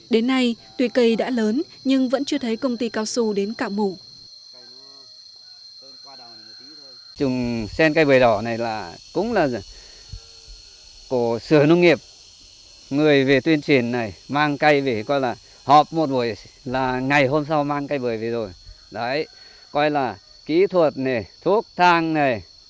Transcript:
đến nay tuyệt cây đã lớn nhưng vẫn chưa thấy công ty cao su đến cả mủ